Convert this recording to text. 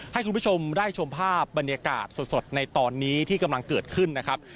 ให้คุณผู้ชมได้ชมภาพบรรยากาศสดในตอนนี้ที่กำลังเกิดขึ้นนะครับ